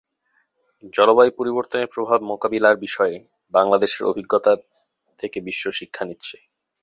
জলবায়ু পরিবর্তনের প্রভাব মোকাবিলার বিষয়ে বাংলাদেশের অভিজ্ঞতা থেকে বিশ্ব শিক্ষা নিচ্ছে।